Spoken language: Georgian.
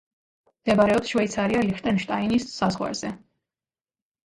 მდებარეობს შვეიცარია–ლიხტენშტაინის საზღვარზე.